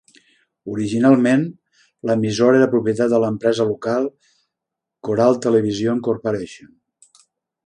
Originalment, l'emissora era propietat de l'empresa local Coral Television Corporation.